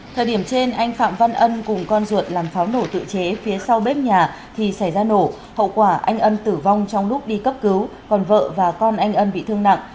thời điểm trên anh phạm văn ân cùng con ruột làm pháo nổ tự chế phía sau bếp nhà thì xảy ra nổ hậu quả anh ân tử vong trong lúc đi cấp cứu còn vợ và con anh ân bị thương nặng